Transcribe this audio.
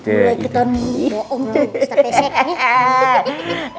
ha mulai ketahuan bohong tuh ustaz pc